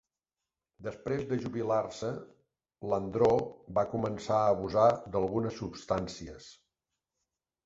Després de jubilar-se, Landreaux va començar a abusar d'algunes substàncies.